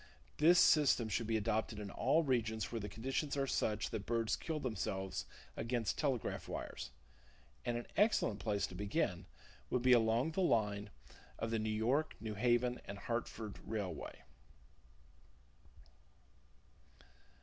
This system should be adopted in all regions where the conditions are such that birds kill themselves against telegraph wires, and an excellent place to begin would be along the line of the N.Y., N.H. & H. Railway.